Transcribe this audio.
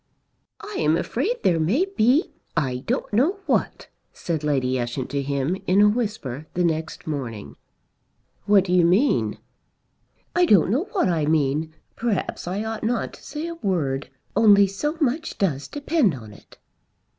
"I am afraid there may be I don't know what," said Lady Ushant to him in a whisper the next morning. "What do you mean?" "I don't know what I mean. Perhaps I ought not to say a word. Only so much does depend on it!"